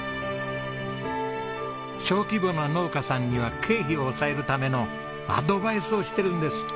小規模な農家さんには経費を抑えるためのアドバイスをしているんです。